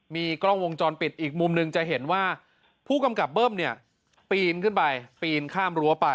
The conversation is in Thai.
มีกล้องวงจรปิดอีกมุมหนึ่งจะเห็นว่าผู้กำกับเบิ้มเนี่ยปีนขึ้นไปปีนข้ามรั้วไป